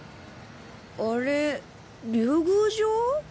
あれ竜宮城？